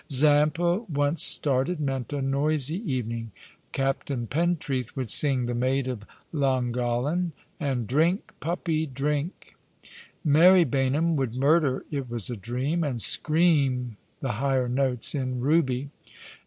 Zampa once started mCvant a noisy evening. Captain 176 All along the River, Pentreath would sing "The Maid of Llangollen," and "Driuk, puppy, drink." Mary Baynham would murder " It was a dream," and scream the higher notes in " Euby."